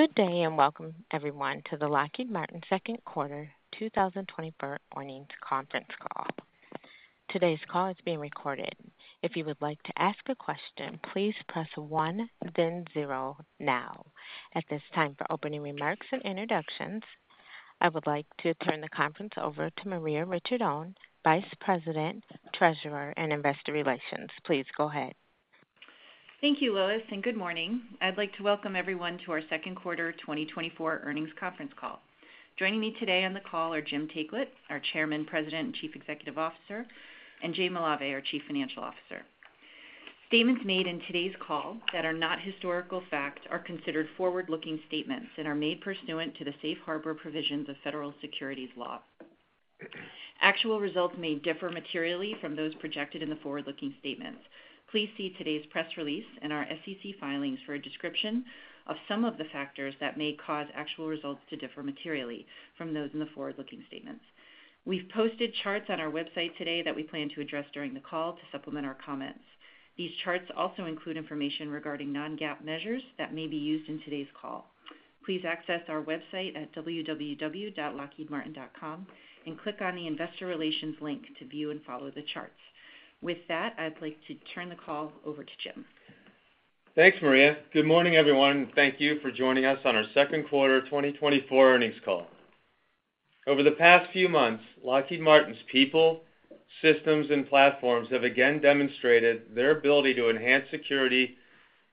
Good day and welcome, everyone, to the Lockheed Martin second quarter 2024 earnings conference call. Today's call is being recorded. If you would like to ask a question, please press one, then zero, now. At this time, for opening remarks and introductions, I would like to turn the conference over to Maria Ricciardone, Vice President, Treasurer, and Investor Relations. Please go ahead. Thank you, Lois, and good morning. I'd like to welcome everyone to our second quarter 2024 earnings conference call. Joining me today on the call are Jim Taiclet, our Chairman, President, and Chief Executive Officer, and Jay Malave, our Chief Financial Officer. Statements made in today's call that are not historical facts are considered forward-looking statements and are made pursuant to the safe harbor provisions of federal securities law. Actual results may differ materially from those projected in the forward-looking statements. Please see today's press release and our SEC filings for a description of some of the factors that may cause actual results to differ materially from those in the forward-looking statements. We've posted charts on our website today that we plan to address during the call to supplement our comments. These charts also include information regarding non-GAAP measures that may be used in today's call. Please access our website at www.lockheedmartin.com and click on the Investor Relations link to view and follow the charts. With that, I'd like to turn the call over to Jim. Thanks, Maria. Good morning, everyone, and thank you for joining us on our second quarter 2024 earnings call. Over the past few months, Lockheed Martin's people, systems, and platforms have again demonstrated their ability to enhance security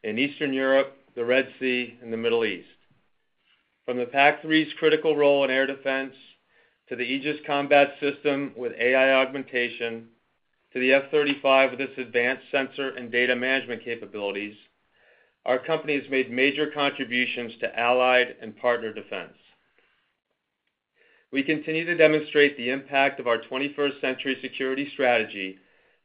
in Eastern Europe, the Red Sea, and the Middle East. From the PAC-3's critical role in air defense to the Aegis Combat System with AI augmentation to the F-35 with its advanced sensor and data management capabilities, our company has made major contributions to allied and partner defense. We continue to demonstrate the impact of our 21st Century Security strategy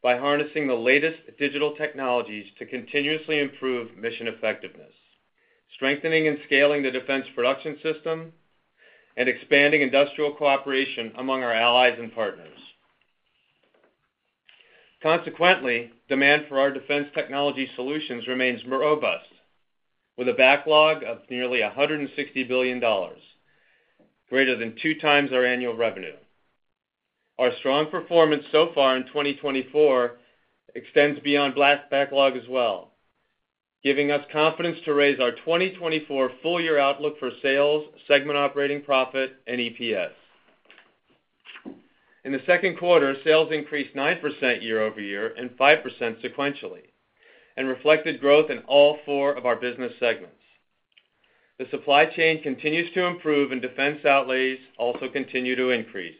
by harnessing the latest digital technologies to continuously improve mission effectiveness, strengthening and scaling the defense production system, and expanding industrial cooperation among our allies and partners. Consequently, demand for our defense technology solutions remains robust, with a backlog of nearly $160 billion, greater than two times our annual revenue. Our strong performance so far in 2024 extends beyond that backlog as well, giving us confidence to raise our 2024 full-year outlook for sales, segment operating profit, and EPS. In the second quarter, sales increased 9% year over year and 5% sequentially, and reflected growth in all four of our business segments. The supply chain continues to improve, and defense outlays also continue to increase.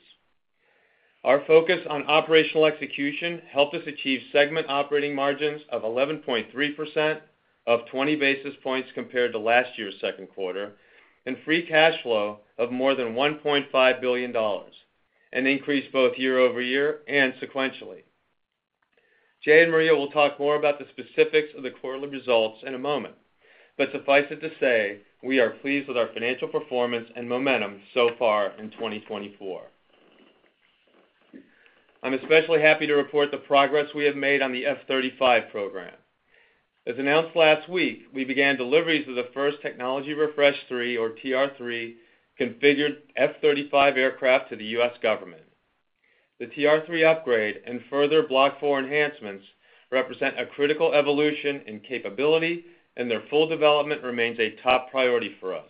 Our focus on operational execution helped us achieve segment operating margins of 11.3%, up 20 basis points compared to last year's second quarter, and free cash flow of more than $1.5 billion, an increase both year over year and sequentially. Jay and Maria will talk more about the specifics of the quarterly results in a moment, but suffice it to say, we are pleased with our financial performance and momentum so far in 2024. I'm especially happy to report the progress we have made on the F-35 program. As announced last week, we began deliveries of the first Technology Refresh III, or TR-3, configured F-35 aircraft to the U.S. government. The TR-3 upgrade and further Block 4 enhancements represent a critical evolution in capability, and their full development remains a top priority for us.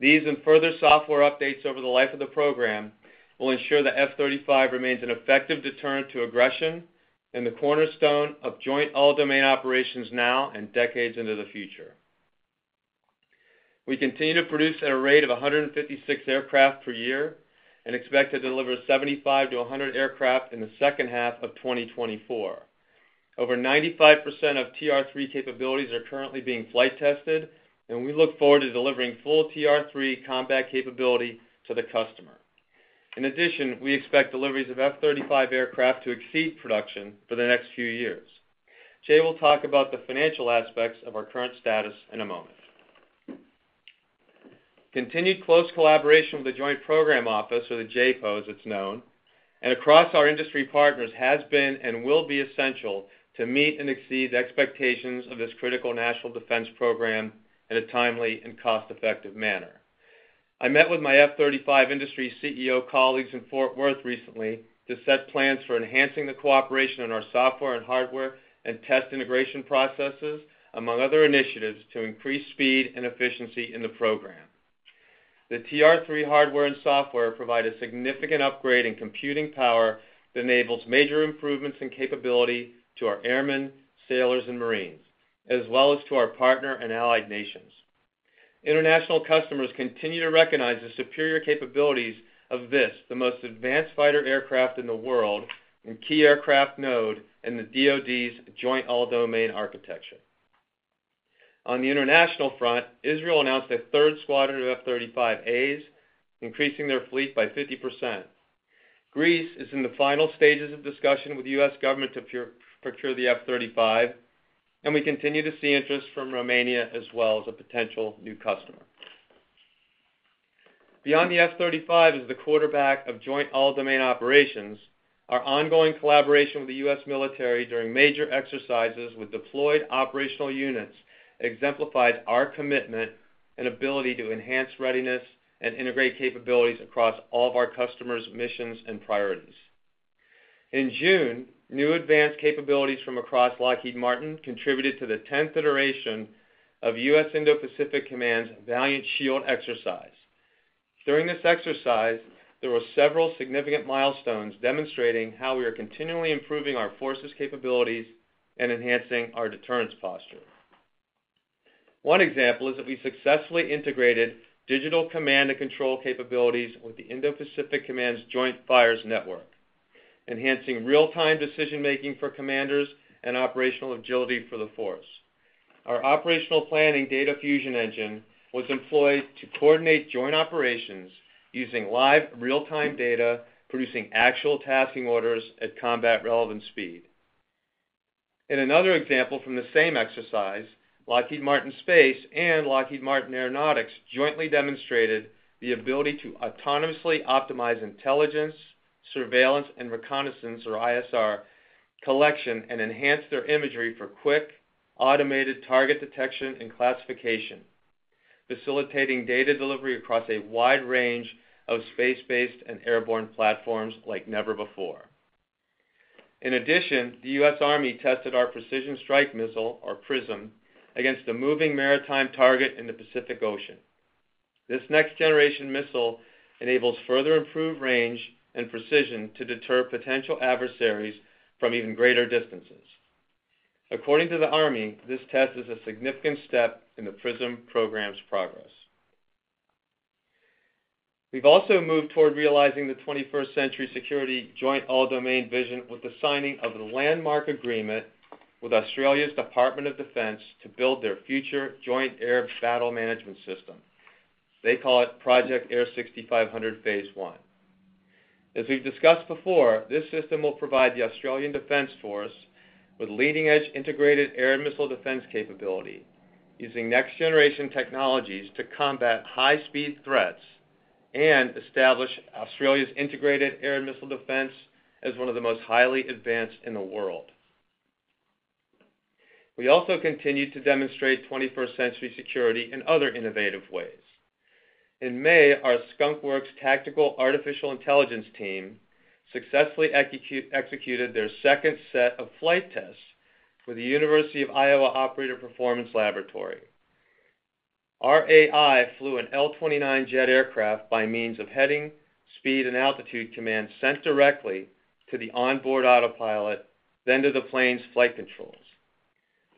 These and further software updates over the life of the program will ensure the F-35 remains an effective deterrent to aggression and the cornerstone of joint all-domain operations now and decades into the future. We continue to produce at a rate of 156 aircraft per year and expect to deliver 75-100 aircraft in the second half of 2024. Over 95% of TR-3 capabilities are currently being flight tested, and we look forward to delivering full TR-3 combat capability to the customer. In addition, we expect deliveries of F-35 aircraft to exceed production for the next few years. Jay will talk about the financial aspects of our current status in a moment. Continued close collaboration with the Joint Program Office, or the JPO, as it's known, and across our industry partners has been and will be essential to meet and exceed expectations of this critical national defense program in a timely and cost-effective manner. I met with my F-35 industry CEO colleagues in Fort Worth recently to set plans for enhancing the cooperation on our software and hardware and test integration processes, among other initiatives to increase speed and efficiency in the program. The TR-3 hardware and software provide a significant upgrade in computing power that enables major improvements in capability to our airmen, sailors, and Marines, as well as to our partner and allied nations. International customers continue to recognize the superior capabilities of this, the most advanced fighter aircraft in the world, and key aircraft node in the DoD's joint all-domain architecture. On the international front, Israel announced a third squadron of F-35As, increasing their fleet by 50%. Greece is in the final stages of discussion with the U.S. government to procure the F-35, and we continue to see interest from Romania as well as a potential new customer. Beyond the F-35 as the quarterback of joint all-domain operations, our ongoing collaboration with the U.S. military during major exercises with deployed operational units exemplifies our commitment and ability to enhance readiness and integrate capabilities across all of our customers' missions and priorities. In June, new advanced capabilities from across Lockheed Martin contributed to the 10th iteration of U.S. Indo-Pacific Command's Valiant Shield exercise. During this exercise, there were several significant milestones demonstrating how we are continually improving our forces' capabilities and enhancing our deterrence posture. One example is that we successfully integrated digital command and control capabilities with the Indo-Pacific Command's Joint Fires Network, enhancing real-time decision-making for commanders and operational agility for the force. Our operational planning data fusion engine was employed to coordinate joint operations using live real-time data, producing actual tasking orders at combat relevant speed. In another example from the same exercise, Lockheed Martin Space and Lockheed Martin Aeronautics jointly demonstrated the ability to autonomously optimize intelligence, surveillance, and reconnaissance, or ISR, collection, and enhance their imagery for quick, automated target detection and classification, facilitating data delivery across a wide range of Space-based and airborne platforms like never before. In addition, the U.S. Army tested our Precision Strike Missile, or PrSM, against a moving maritime target in the Pacific Ocean. This next-generation missile enables further improved range and precision to deter potential adversaries from even greater distances. According to the Army, this test is a significant step in the PrSM program's progress. We've also moved toward realizing the 21st Century Security joint all-domain vision with the signing of the landmark agreement with the Australian Department of Defence to build their future joint air battle management system. They call it Project AIR 6500 Phase 1. As we've discussed before, this system will provide the Australian Defence Force with leading-edge integrated air and missile defense capability, using next-generation technologies to combat high-speed threats and establish Australia's integrated air and missile defense as one of the most highly advanced in the world. We also continue to demonstrate 21st Century Security in other innovative ways. In May, our Skunk Works tactical artificial intelligence team successfully executed their second set of flight tests with the University of Iowa Operator Performance Laboratory. Our AI flew an L-29 jet aircraft by means of heading, speed, and altitude commands sent directly to the onboard autopilot, then to the plane's flight controls.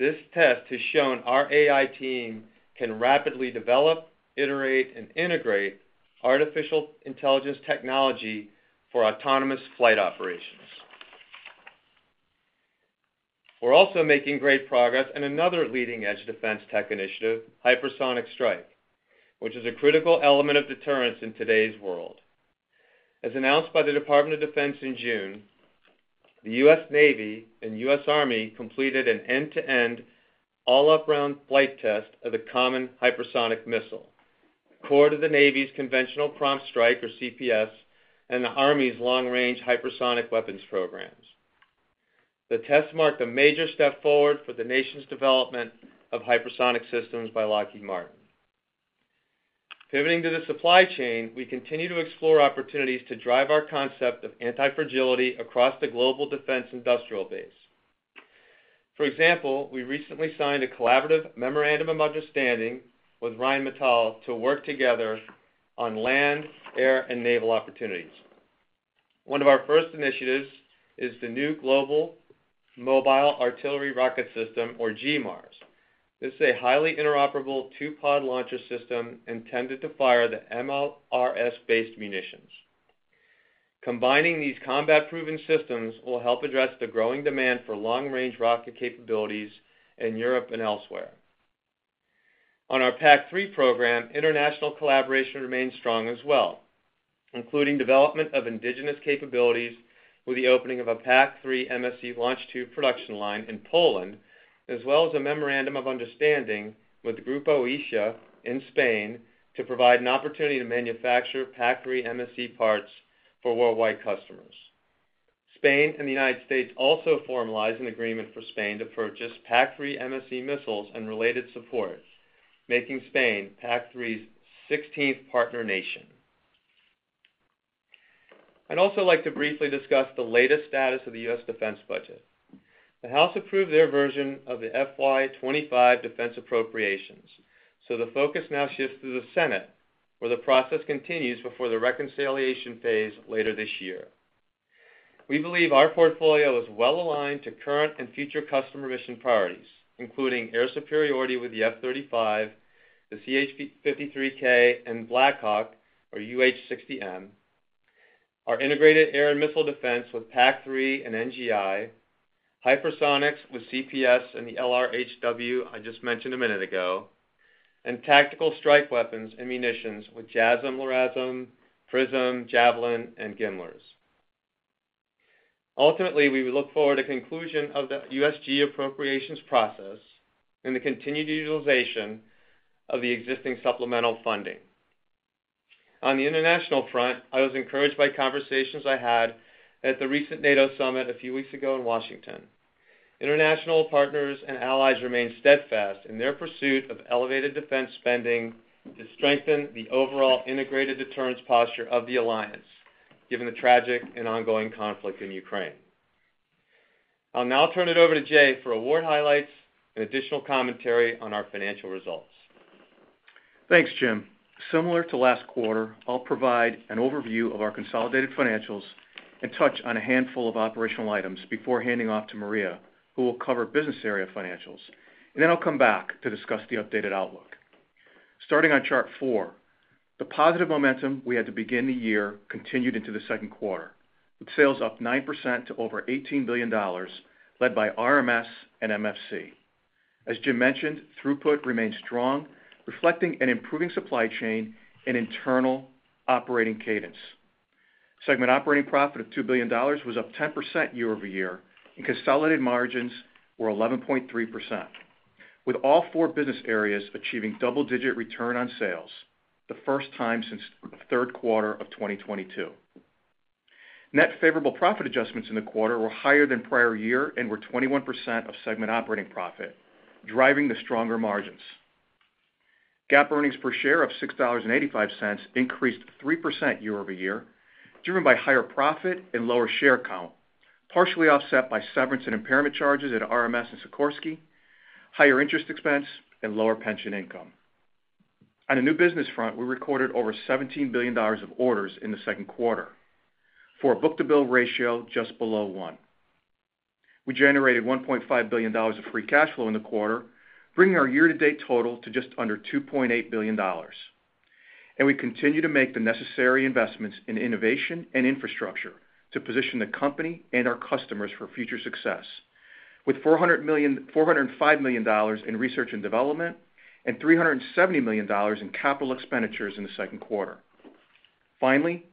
This test has shown our AI team can rapidly develop, iterate, and integrate artificial intelligence technology for autonomous flight operations. We're also making great progress in another leading-edge defense tech initiative, Hypersonic Strike, which is a critical element of deterrence in today's world. As announced by the Department of Defense in June, the U.S. Navy and U.S. Army completed an end-to-end all-up-round flight test of the common hypersonic missile, core to the Navy's Conventional Prompt Strike, or CPS, and the Army's Long-Range Hypersonic Weapon programs. The test marked a major step forward for the nation's development of hypersonic systems by Lockheed Martin. Pivoting to the supply chain, we continue to explore opportunities to drive our concept of anti-fragility across the global defense industrial base. For example, we recently signed a collaborative memorandum of understanding with Rheinmetall to work together on land, air, and naval opportunities. One of our first initiatives is the new Global Mobile Artillery Rocket System, or GMARS. This is a highly interoperable two-pod launcher system intended to fire the MLRS-based munitions. Combining these combat-proven systems will help address the growing demand for long-range rocket capabilities in Europe and elsewhere. On our PAC-3 program, international collaboration remains strong as well, including development of indigenous capabilities with the opening of a PAC-3 MSE launch tube production line in Poland, as well as a memorandum of understanding with the Grupo Oesía in Spain to provide an opportunity to manufacture PAC-3 MSE parts for worldwide customers. Spain and the United States also formalized an agreement for Spain to purchase PAC-3 MSE missiles and related support, making Spain PAC-3's 16th partner nation. I'd also like to briefly discuss the latest status of the U.S. defense budget. The House approved their version of the FY 2025 defense appropriations, so the focus now shifts to the Senate, where the process continues before the reconciliation phase later this year. We believe our portfolio is well aligned to current and future customer mission priorities, including air superiority with the F-35, the CH-53K, and Black Hawk, or UH-60M, our integrated air and missile defense with PAC-3 and NGI, hypersonics with CPS and the LRHW I just mentioned a minute ago, and tactical strike weapons and munitions with JASSM, LRASM, PrSM, Javelin, and GMLRS. Ultimately, we look forward to the conclusion of the USG appropriations process and the continued utilization of the existing supplemental funding. On the international front, I was encouraged by conversations I had at the recent NATO summit a few weeks ago in Washington. International partners and allies remain steadfast in their pursuit of elevated defense spending to strengthen the overall integrated deterrence posture of the alliance, given the tragic and ongoing conflict in Ukraine. I'll now turn it over to Jay for award highlights and additional commentary on our financial results. Thanks, Jim. Similar to last quarter, I'll provide an overview of our consolidated financials and touch on a handful of operational items before handing off to Maria, who will cover business area financials, and then I'll come back to discuss the updated outlook. Starting on chart four, the positive momentum we had to begin the year continued into the second quarter, with sales up 9% to over $18 billion, led by RMS and MFC. As Jim mentioned, throughput remained strong, reflecting an improving supply chain and internal operating cadence. Segment operating profit of $2 billion was up 10% year-over-year, and consolidated margins were 11.3%, with all four business areas achieving double-digit return on sales, the first time since the third quarter of 2022. Net favorable profit adjustments in the quarter were higher than prior year and were 21% of segment operating profit, driving the stronger margins. GAAP earnings per share of $6.85 increased 3% year-over-year, driven by higher profit and lower share count, partially offset by severance and impairment charges at RMS and Sikorsky, higher interest expense, and lower pension income. On the new business front, we recorded over $17 billion of orders in the second quarter, for a book-to-bill ratio just below one. We generated $1.5 billion of free cash flow in the quarter, bringing our year-to-date total to just under $2.8 billion. We continue to make the necessary investments in innovation and infrastructure to position the company and our customers for future success, with $405 million in research and development and $370 million in capital expenditures in the second quarter. Finally,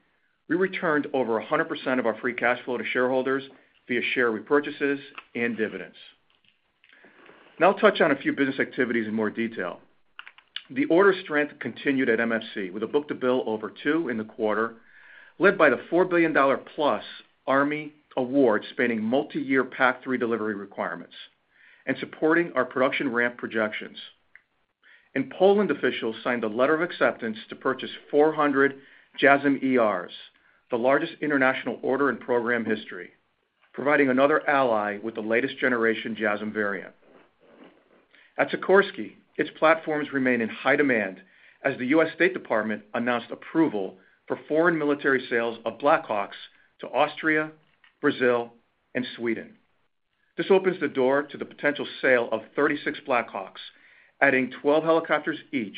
we returned over 100% of our free cash flow to shareholders via share repurchases and dividends. Now I'll touch on a few business activities in more detail. The order strength continued at MFC with a book-to-bill over two in the quarter, led by the $4 billion+ Army award spanning multi-year PAC-3 delivery requirements and supporting our production ramp projections. And Poland officials signed a letter of acceptance to purchase 400 JASSM-ERs, the largest international order in program history, providing another ally with the latest generation JASSM variant. At Sikorsky, its platforms remain in high demand as the U.S. State Department announced approval for foreign military sales of Black Hawks to Austria, Brazil, and Sweden. This opens the door to the potential sale of 36 Black Hawks, adding 12 helicopters each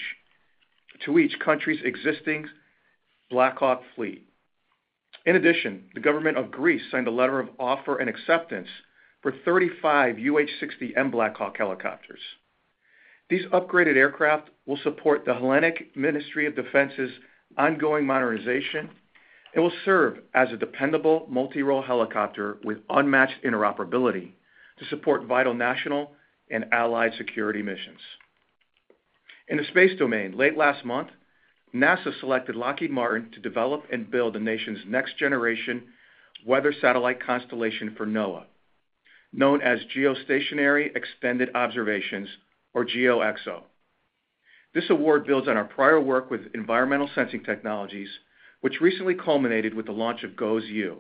to each country's existing Black Hawk fleet. In addition, the government of Greece signed a letter of offer and acceptance for 35 UH-60M Black Hawk helicopters. These upgraded aircraft will support the Hellenic Ministry of Defense's ongoing modernization and will serve as a dependable multi-role helicopter with unmatched interoperability to support vital national and allied security missions. In the Space domain, late last month, NASA selected Lockheed Martin to develop and build the nation's next-generation weather satellite constellation for NOAA, known as Geostationary Extended Observations, or GeoXO. This award builds on our prior work with environmental sensing technologies, which recently culminated with the launch of GOES-U,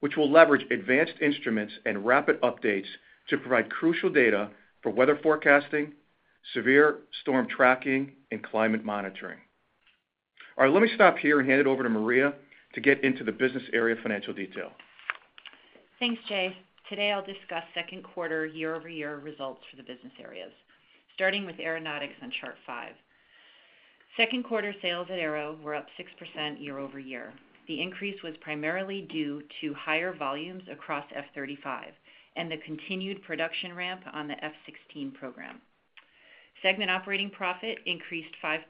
which will leverage advanced instruments and rapid updates to provide crucial data for weather forecasting, severe storm tracking, and climate monitoring. All right, let me stop here and hand it over to Maria to get into the business area financial detail. Thanks, Jay. Today, I'll discuss second quarter year-over-year results for the business areas, starting with Aeronautics on chart five. Second quarter sales at AERO were up 6% year-over-year. The increase was primarily due to higher volumes across F-35 and the continued production ramp on the F-16 program. Segment operating profit increased 5%,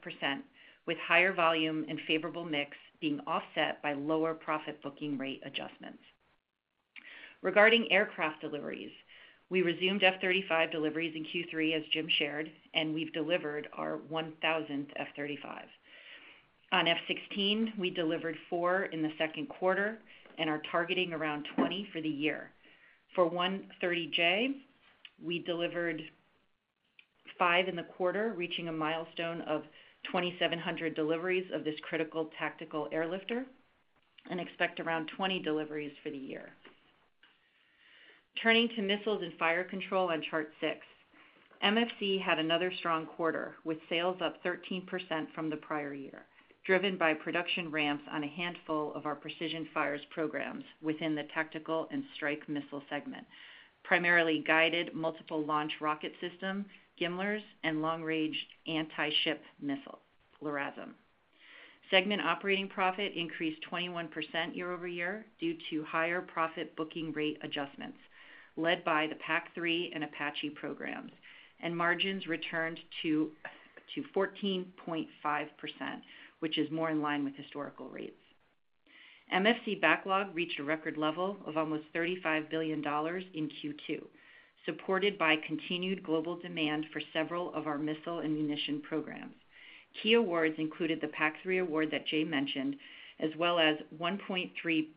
with higher volume and favorable mix being offset by lower profit booking rate adjustments. Regarding aircraft deliveries, we resumed F-35 deliveries in Q3, as Jim shared, and we've delivered our 1,000th F-35. On F-16, we delivered 4 in the second quarter and are targeting around 20 for the year. For C-130J, we delivered five in the quarter, reaching a milestone of 2,700 deliveries of this critical tactical airlifter and expect around 20 deliveries for the year. Turning to Missiles and Fire Control on chart six, MFC had another strong quarter with sales up 13% from the prior year, driven by production ramps on a handful of our precision fires programs within the tactical and strike missile segment, primarily Guided Multiple Launch Rocket System, GMLRS, and Long-Range Anti-Ship Missile, LRASM. Segment operating profit increased 21% year-over-year due to higher profit booking rate adjustments, led by the PAC-3 and Apache programs, and margins returned to 14.5%, which is more in line with historical rates. MFC backlog reached a record level of almost $35 billion in Q2, supported by continued global demand for several of our missile and munition programs. Key awards included the PAC-3 award that Jay mentioned, as well as $1.3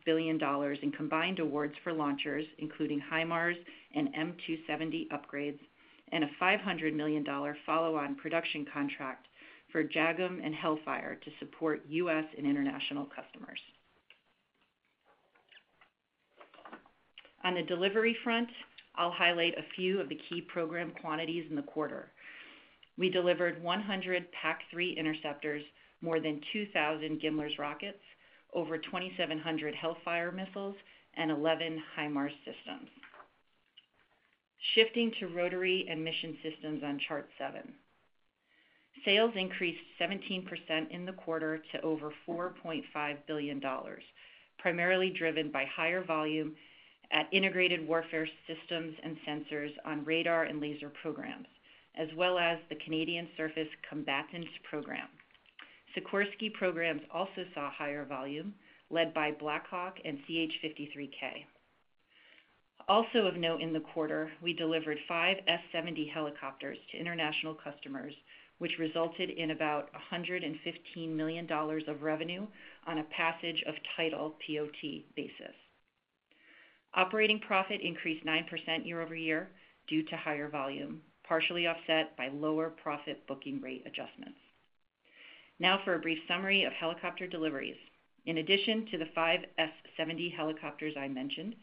billion in combined awards for launchers, including HIMARS and M270 upgrades, and a $500 million follow-on production contract for JAGM and Hellfire to support U.S. and international customers. On the delivery front, I'll highlight a few of the key program quantities in the quarter. We delivered 100 PAC-3 interceptors, more than 2,000 GMLRS rockets, over 2,700 Hellfire missiles, and 11 HIMARS systems. Shifting to Rotary and Mission Systems on chart seven, sales increased 17% in the quarter to over $4.5 billion, primarily driven by higher volume at Integrated Warfare Systems and Sensors on radar and laser programs, as well as the Canadian Surface Combatants Program. Sikorsky programs also saw higher volume, led by Black Hawk and CH-53K. Also of note in the quarter, we delivered 5 S-70 helicopters to international customers, which resulted in about $115 million of revenue on a passage of title POT basis. Operating profit increased 9% year-over-year due to higher volume, partially offset by lower profit booking rate adjustments. Now for a brief summary of helicopter deliveries. In addition to the 5 S-70 helicopters I mentioned,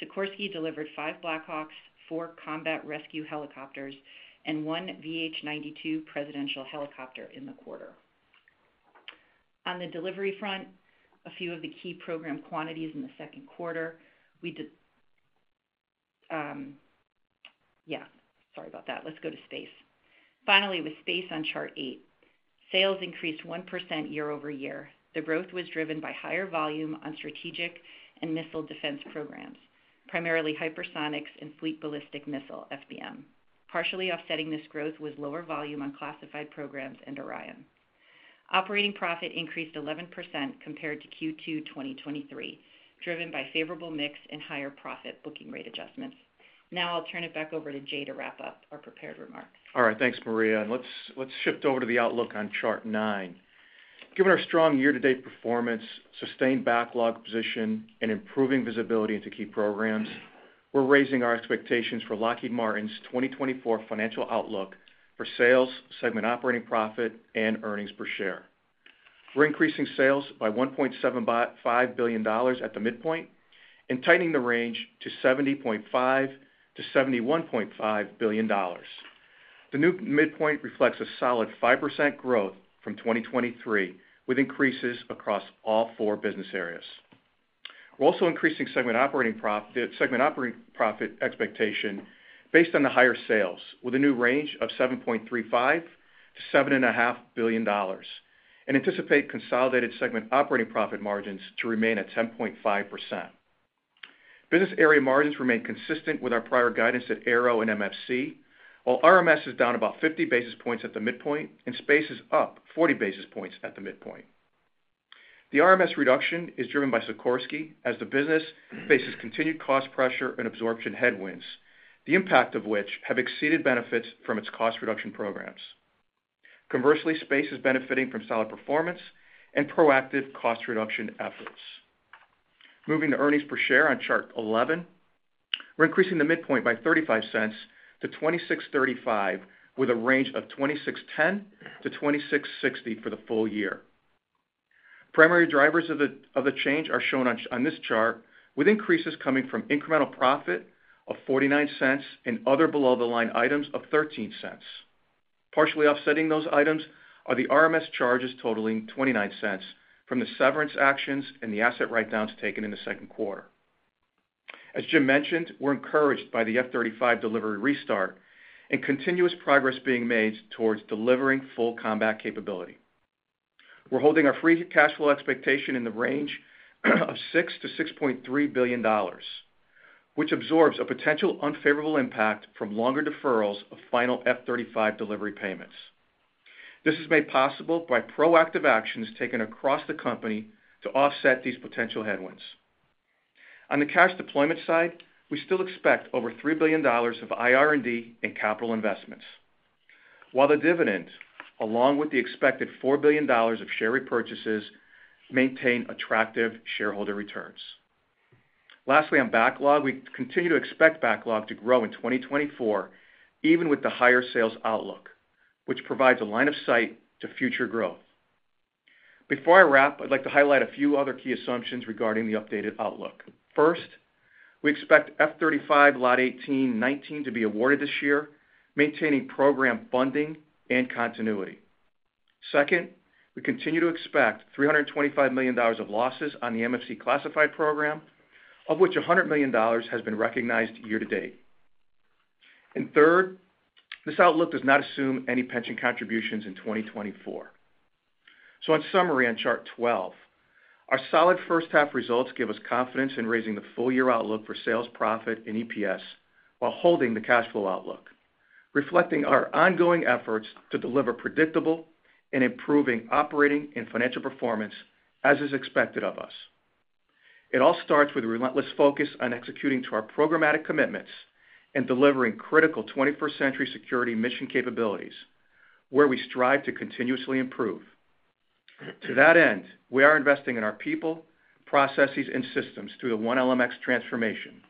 Sikorsky delivered 5 Black Hawks, four combat rescue helicopters, and one VH-92 presidential helicopter in the quarter. On the delivery front, a few of the key program quantities in the second quarter. Let's go to Space. Finally, with Space on chart eight, sales increased 1% year-over-year. The growth was driven by higher volume on strategic and missile defense programs, primarily hypersonics and fleet ballistic missile, FBM. Partially offsetting this growth was lower volume on classified programs and Orion. Operating profit increased 11% compared to Q2 2023, driven by favorable mix and higher profit booking rate adjustments. Now I'll turn it back over to Jay to wrap up our prepared remarks. All right, thanks, Maria. Let's shift over to the outlook on chart nine. Given our strong year-to-date performance, sustained backlog position, and improving visibility into key programs, we're raising our expectations for Lockheed Martin's 2024 financial outlook for sales, segment operating profit, and earnings per share. We're increasing sales by $1.75 billion at the midpoint, and tightening the range to $70.5 billion-$71.5 billion. The new midpoint reflects a solid 5% growth from 2023, with increases across all four business areas. We're also increasing segment operating profit expectation based on the higher sales, with a new range of $7.35 billion-$7.5 billion, and anticipate consolidated segment operating profit margins to remain at 10.5%. Business area margins remain consistent with our prior guidance at AERO and MFC, while RMS is down about 50 basis points at the midpoint and Space is up 40 basis points at the midpoint. The RMS reduction is driven by Sikorsky as the business faces continued cost pressure and absorption headwinds, the impact of which have exceeded benefits from its cost reduction programs. Conversely, Space is benefiting from solid performance and proactive cost reduction efforts. Moving to earnings per share on chart 11, we're increasing the midpoint by $0.3-$26.35, with a range of $26.10-$26.60 for the full year. Primary drivers of the change are shown on this chart, with increases coming from incremental profit of $0.49 and other below-the-line items of $0.13. Partially offsetting those items are the RMS charges totaling $0.29 from the severance actions and the asset write-downs taken in the second quarter. As Jim mentioned, we're encouraged by the F-35 delivery restart and continuous progress being made towards delivering full combat capability. We're holding our free cash flow expectation in the range of $6 billion-$6.3 billion, which absorbs a potential unfavorable impact from longer deferrals of final F-35 delivery payments. This is made possible by proactive actions taken across the company to offset these potential headwinds. On the cash deployment side, we still expect over $3 billion of IR&D and capital investments, while the dividend, along with the expected $4 billion of share repurchases, maintain attractive shareholder returns. Lastly, on backlog, we continue to expect backlog to grow in 2024, even with the higher sales outlook, which provides a line of sight to future growth. Before I wrap, I'd like to highlight a few other key assumptions regarding the updated outlook. First, we expect F-35 Lot 18/19 to be awarded this year, maintaining program funding and continuity. Second, we continue to expect $325 million of losses on the MFC classified program, of which $100 million has been recognized year-to-date. Third, this outlook does not assume any pension contributions in 2024. So in summary, on chart 12, our solid first-half results give us confidence in raising the full-year outlook for sales, profit, and EPS while holding the cash flow outlook, reflecting our ongoing efforts to deliver predictable and improving operating and financial performance as is expected of us. It all starts with relentless focus on executing to our programmatic commitments and delivering critical 21st Century Security mission capabilities, where we strive to continuously improve. To that end, we are investing in our people, processes, and systems through the 1LMX transformation,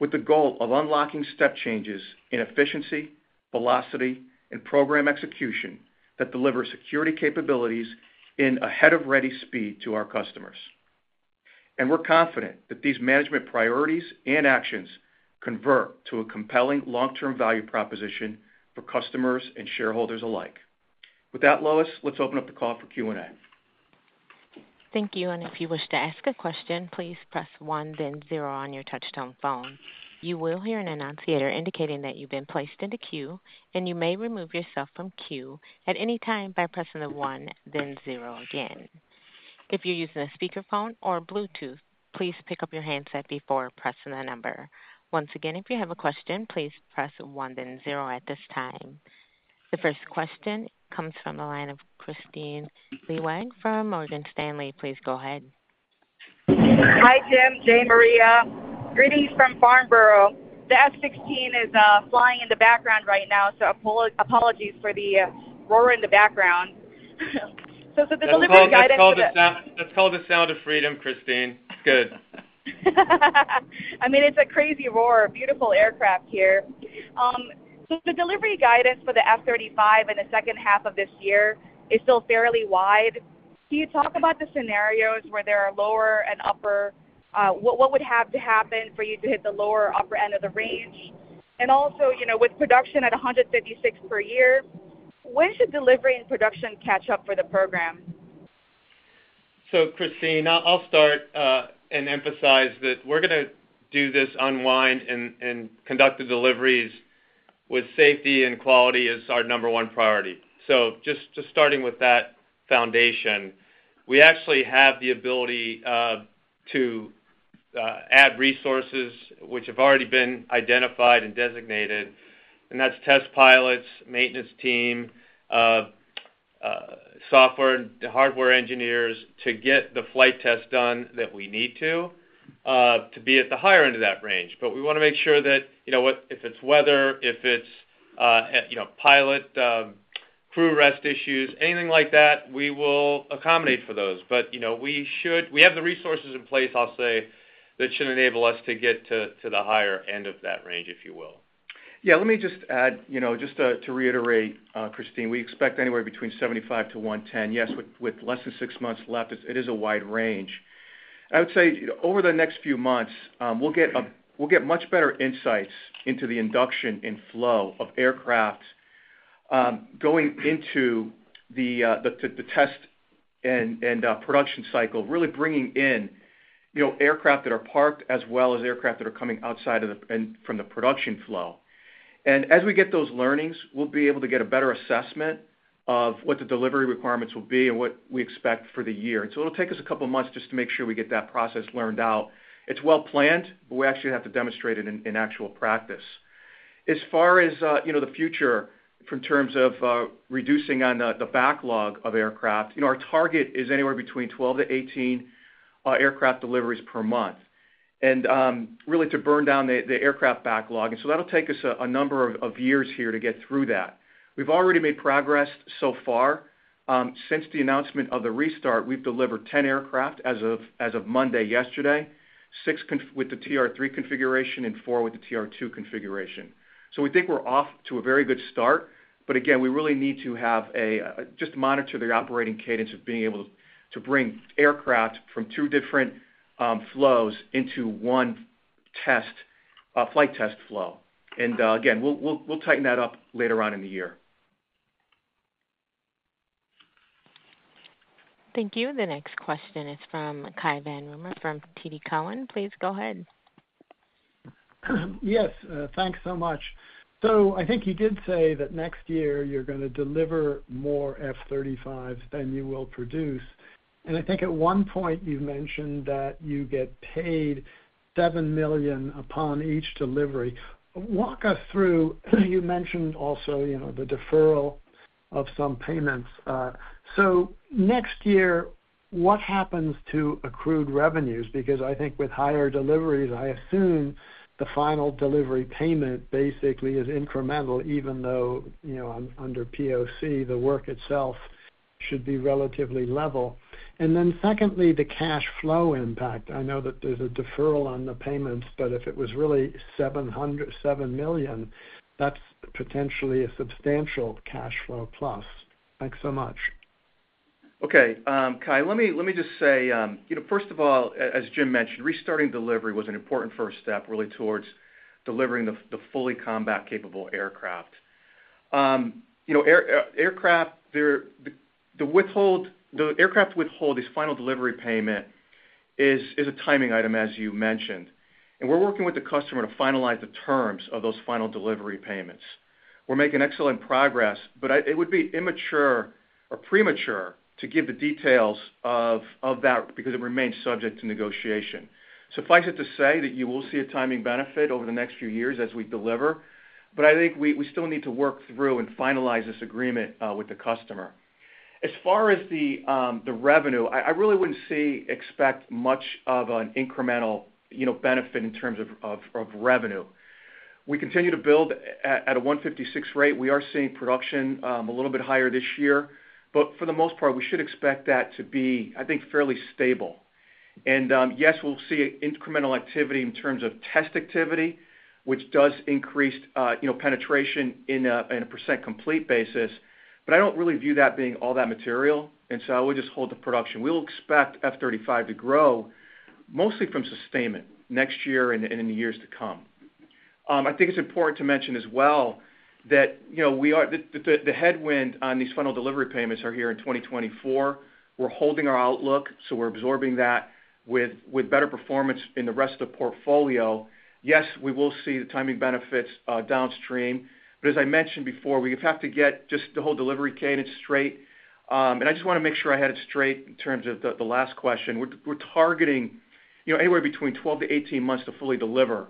with the goal of unlocking step changes in efficiency, velocity, and program execution that deliver security capabilities in a head-of-ready speed to our customers. And we're confident that these management priorities and actions convert to a compelling long-term value proposition for customers and shareholders alike. With that, Lois, let's open up the call for Q&A. Thank you. And if you wish to ask a question, please press two, then zero on your touch-tone phone. You will hear an announcer indicating that you've been placed into queue, and you may remove yourself from queue at any time by pressing the one, then zero again. If you're using a speakerphone or Bluetooth, please pick up your handset before pressing the number. Once again, if you have a question, please press one, then zero at this time. The first question comes from the line of Kristine Liwag from Morgan Stanley. Please go ahead. Hi, Jim, Jay, Maria. Greetings from Farnborough. The F-16 is flying in the background right now, so apologies for the roar in the background. So the delivery guidance for the—let's call it the Sound of Freedom, Kristine. It's good. I mean, it's a crazy roar. Beautiful aircraft here. So the delivery guidance for the F-35 in the second half of this year is still fairly wide. Can you talk about the scenarios where there are lower and upper? What would have to happen for you to hit the lower upper end of the range? And also, with production at 156 per year, when should delivery and production catch up for the program? So, Kristine, I'll start and emphasize that we're going to do this unwind and conduct the deliveries with safety and quality as our number one priority. So just starting with that foundation, we actually have the ability to add resources which have already been identified and designated, and that's test pilots, maintenance team, software and hardware engineers to get the flight tests done that we need to be at the higher end of that range. But we want to make sure that if it's weather, if it's pilot crew rest issues, anything like that, we will accommodate for those. But we have the resources in place, I'll say, that should enable us to get to the higher end of that range, if you will. Yeah. Let me just add, just to reiterate, Kristine, we expect anywhere between 75-110. Yes, with less than six months left, it is a wide range.I would say over the next few months, we'll get much better insights into the induction and flow of aircraft going into the test and production cycle, really bringing in aircraft that are parked as well as aircraft that are coming outside from the production flow. As we get those learnings, we'll be able to get a better assessment of what the delivery requirements will be and what we expect for the year. So it'll take us a couple of months just to make sure we get that process learned out. It's well planned, but we actually have to demonstrate it in actual practice. As far as the future, from terms of reducing on the backlog of aircraft, our target is anywhere between 12-18 aircraft deliveries per month, and really to burn down the aircraft backlog. And so that'll take us a number of years here to get through that. We've already made progress so far. Since the announcement of the restart, we've delivered 10 aircraft as of Monday, yesterday, six with the TR-3 configuration and four with the TR-2 configuration. So we think we're off to a very good start. But again, we really need to just monitor the operating cadence of being able to bring aircraft from two different flows into one flight test flow. And again, we'll tighten that up later on in the year. Thank you. The next question is from Cai von Rumohr from TD Cowen. Please go ahead. Yes. Thanks so much. So I think you did say that next year you're going to deliver more F-35s than you will produce. And I think at one point you mentioned that you get paid $7 million upon each delivery. Walk us through. You mentioned also the deferral of some payments. So next year, what happens to accrued revenues? Because I think with higher deliveries, I assume the final delivery payment basically is incremental, even though under POC, the work itself should be relatively level. And then secondly, the cash flow impact. I know that there's a deferral on the payments, but if it was really $7 million, that's potentially a substantial cash flow plus. Thanks so much. Okay. Cai, let me just say, first of all, as Jim mentioned, restarting delivery was an important first step really towards delivering the fully combat-capable aircraft. Aircraft, the withhold, the aircraft withhold, these final delivery payment is a timing item, as you mentioned. And we're working with the customer to finalize the terms of those final delivery payments. We're making excellent progress, but it would be immature or premature to give the details of that because it remains subject to negotiation. Suffice it to say that you will see a timing benefit over the next few years as we deliver, but I think we still need to work through and finalize this agreement with the customer. As far as the revenue, I really wouldn't expect much of an incremental benefit in terms of revenue. We continue to build at a 156 rate. We are seeing production a little bit higher this year, but for the most part, we should expect that to be, I think, fairly stable. And yes, we'll see incremental activity in terms of test activity, which does increase penetration in a percent complete basis, but I don't really view that being all that material, and so I would just hold the production. We'll expect F-35 to grow mostly from sustainment next year and in the years to come. I think it's important to mention as well that the headwind on these final delivery payments are here in 2024. We're holding our outlook, so we're absorbing that with better performance in the rest of the portfolio. Yes, we will see the timing benefits downstream. But as I mentioned before, we have to get just the whole delivery cadence straight. I just want to make sure I had it straight in terms of the last question. We're targeting anywhere between 12-18 months to fully deliver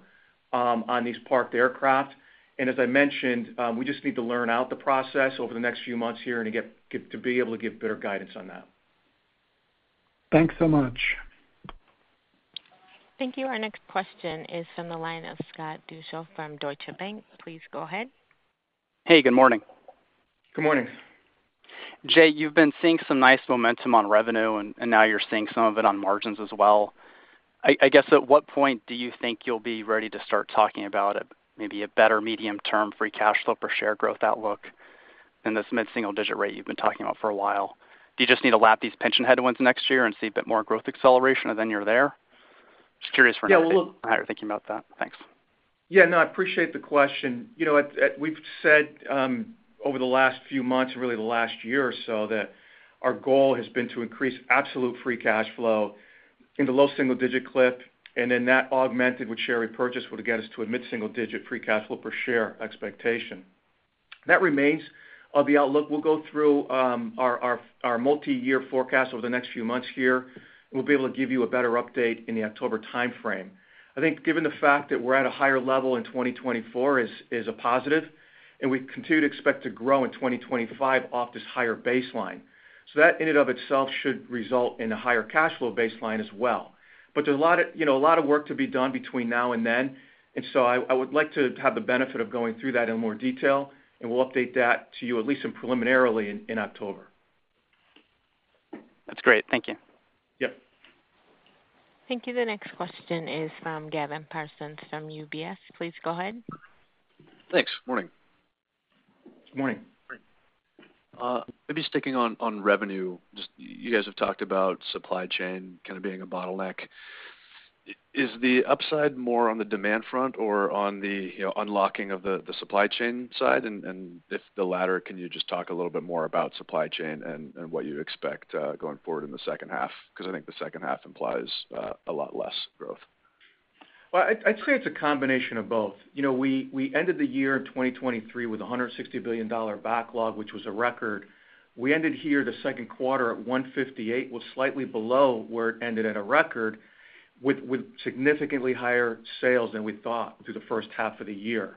on these parked aircraft. And as I mentioned, we just need to learn out the process over the next few months here to be able to give better guidance on that. Thanks so much. Thank you. Our next question is from the line of Scott Deuschle from Deutsche Bank. Please go ahead. Hey, good morning. Good morning. Jay, you've been seeing some nice momentum on revenue, and now you're seeing some of it on margins as well. I guess at what point do you think you'll be ready to start talking about maybe a better medium-term free cash flow per share growth outlook than this mid-single-digit rate you've been talking about for a while? Do you just need to lap these pension headwinds next year and see a bit more growth acceleration, and then you're there? Just curious for an answer on how you're thinking about that. Thanks. Yeah. No, I appreciate the question. We've said over the last few months and really the last year or so that our goal has been to increase absolute free cash flow in the low single-digit clip, and then that augmented with share repurchase would get us to a mid-single-digit free cash flow per share expectation. That remains our outlook. We'll go through our multi-year forecast over the next few months here, and we'll be able to give you a better update in the October timeframe. I think given the fact that we're at a higher level in 2024 is a positive, and we continue to expect to grow in 2025 off this higher baseline. So that in and of itself should result in a higher cash flow baseline as well. But there's a lot of work to be done between now and then, and so I would like to have the benefit of going through that in more detail, and we'll update that to you at least preliminarily in October. That's great. Thank you. Yep. Thank you. The next question is from Gavin Parsons from UBS. Please go ahead. Thanks. Morning. Morning. Maybe sticking on revenue, you guys have talked about supply chain kind of being a bottleneck. Is the upside more on the demand front or on the unlocking of the supply chain side? And if the latter, can you just talk a little bit more about supply chain and what you expect going forward in the second half? Because I think the second half implies a lot less growth. Well, I'd say it's a combination of both. We ended the year in 2023 with a $160 billion backlog, which was a record. We ended the second quarter at $158 billion, which was slightly below where it ended at a record, with significantly higher sales than we thought through the first half of the year.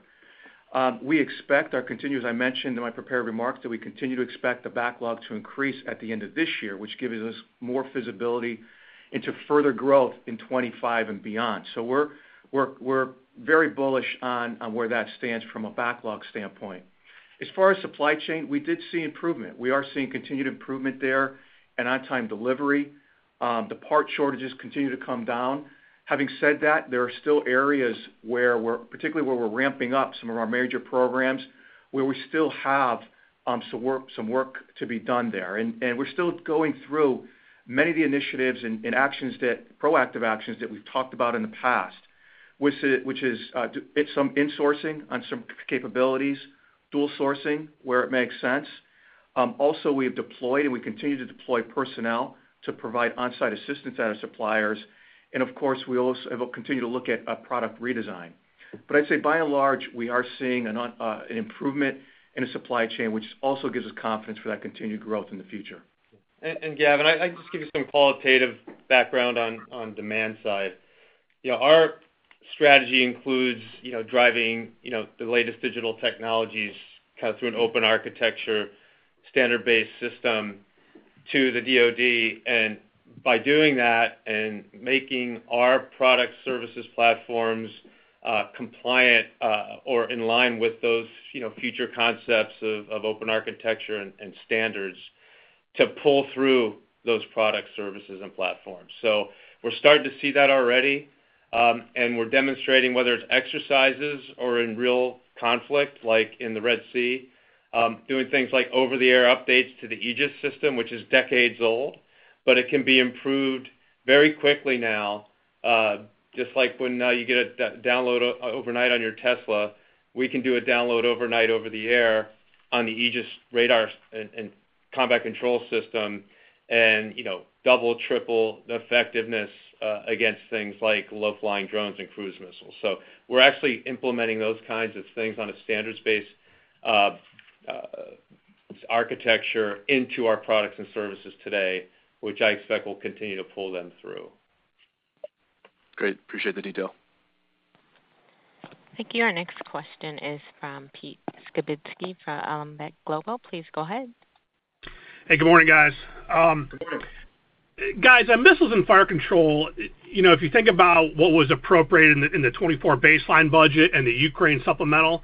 We expect our continuous—I mentioned in my prepared remarks that we continue to expect the backlog to increase at the end of this year, which gives us more visibility into further growth in 2025 and beyond. So we're very bullish on where that stands from a backlog standpoint. As far as supply chain, we did see improvement. We are seeing continued improvement there and on-time delivery. The part shortages continue to come down. Having said that, there are still areas, particularly where we're ramping up some of our major programs, where we still have some work to be done there. We're still going through many of the initiatives and proactive actions that we've talked about in the past, which is some insourcing on some capabilities, dual sourcing where it makes sense. Also, we have deployed and we continue to deploy personnel to provide on-site assistance at our suppliers. Of course, we also continue to look at product redesign. But I'd say by and large, we are seeing an improvement in the supply chain, which also gives us confidence for that continued growth in the future. Gavin, I'll just give you some qualitative background on demand side. Our strategy includes driving the latest digital technologies kind of through an open architecture standard-based system to the DoD. By doing that and making our product services platforms compliant or in line with those future concepts of open architecture and standards to pull through those product services and platforms. So we're starting to see that already, and we're demonstrating whether it's exercises or in real conflict like in the Red Sea, doing things like over-the-air updates to the Aegis system, which is decades old, but it can be improved very quickly now. Just like when you get a download overnight on your Tesla, we can do a download overnight over the air on the Aegis radar and combat control system and double, triple the effectiveness against things like low-flying drones and cruise missiles. So we're actually implementing those kinds of things on a standards-based architecture into our products and services today, which I expect will continue to pull them through. Great. Appreciate the detail. Thank you. Our next question is from Pete Skibitski from Alembic Global Advisors. Please go ahead. Hey, good morning, guys. Good morning. Guys, Missiles and Fire Control, if you think about what was appropriated in the 2024 baseline budget and the Ukraine supplemental,